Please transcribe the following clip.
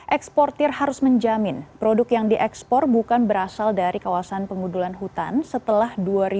eksportir harus menjamin produk yang diekspor bukan berasal dari kawasan pengundulan hutan setelah dua ribu dua puluh